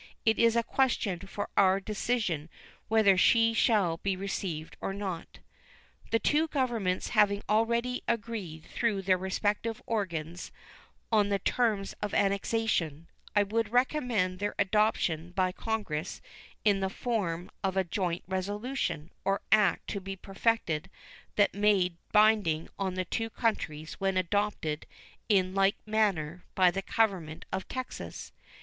It is a question for our own decision whether she shall be received or not. The two Governments having already agreed through their respective organs on the terms of annexation, I would recommend their adoption by Congress in the form of a joint resolution or act to be perfected and made binding on the two countries when adopted in like manner by the Government of Texas.